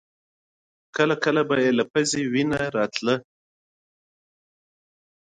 کله کله به يې له پزې وينه راتله.